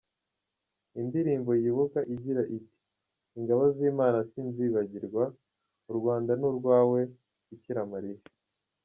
Indirimbo yibuka igira iti “Ingabo z’Imana sinzibagirwa,U Rwanda ni urwawe bikiramariya’….